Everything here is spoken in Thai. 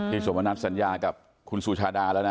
อ่้อพี่สวมนัทสัญญากับคุณสุชาดาว่านะ